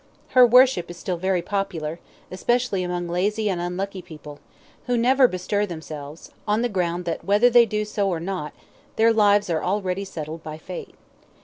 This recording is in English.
Her worship is still very popular, especially among lazy and unlucky people, who never bestir themselves: on the ground that whether they do so or not their lives are already settled by Fate.